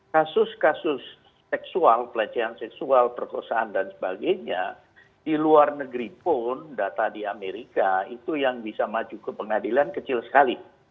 kasus kasus seksual pelecehan seksual perkosaan dan sebagainya di luar negeri pun data di amerika itu yang bisa maju ke pengadilan kecil sekali